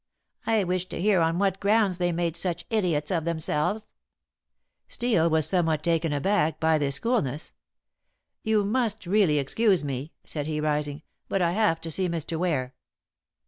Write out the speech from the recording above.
I wish to hear on what grounds they made such idiots of themselves." Steel was somewhat taken aback by this coolness. "You must really excuse me," said he, rising, "but I have to see Mr. Ware."